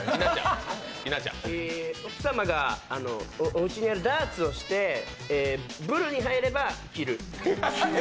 奥様がおうちにあるダーツをしてブルに入れば着る。